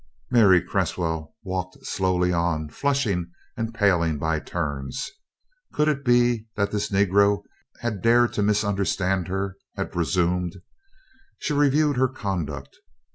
Mary Cresswell walked slowly on, flushing and paling by turns. Could it be that this Negro had dared to misunderstand her had presumed? She reviewed her conduct.